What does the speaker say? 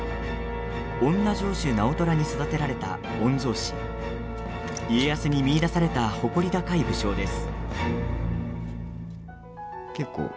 おんな城主、直虎に育てられた御曹司、家康に見いだされた誇り高い武将です。